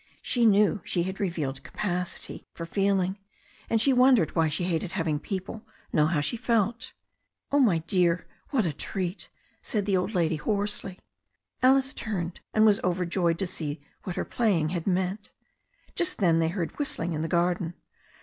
She knew she had revealed capacity for feeling, and she wondered why she hated having people know how she felt "Oh, my dear, what a treat!" said the old lady hoarsely. Alice turned, and was overjoyed to see what her playing had meant. Just then they heard whistling in the garden.